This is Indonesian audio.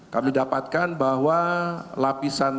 kami dapatkan bahwa lapisan